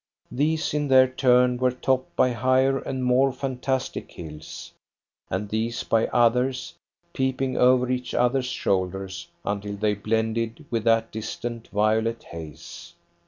These in their turn were topped by higher and more fantastic hills, and these by others, peeping over each other's shoulders until they blended with that distant violet haze.